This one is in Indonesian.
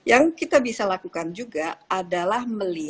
nah yang kita bisa lakukan juga adalah melihat covid ini